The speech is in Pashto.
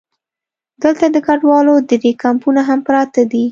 دلته د کډوالو درې کمپونه هم پراته دي.